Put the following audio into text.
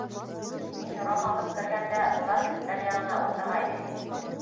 Мин ром алып кергәндә, улар өҫтәл янына ултырғайны ине инде.